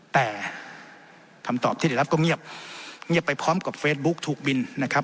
แต่คำตอบที่ได้รับก็เงียบเงียบไปพร้อมกับเฟซบุ๊กถูกบินนะครับ